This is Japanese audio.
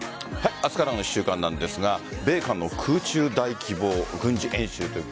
明日からの１週間なんですが米韓の空中大規模軍事演習という